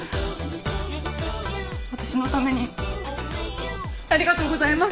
私のためにありがとうございます。